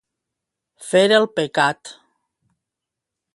Fer el pecat.